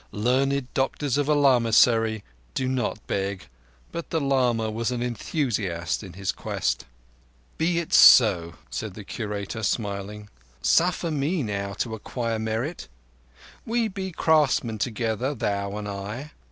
Learned doctors of a lamassery do not beg, but the lama was an enthusiast in this quest. "Be it so," said the Curator, smiling. "Suffer me now to acquire merit. We be craftsmen together, thou and I.